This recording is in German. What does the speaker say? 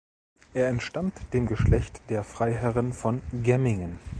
Er entstammt dem Geschlecht der Freiherren von Gemmingen.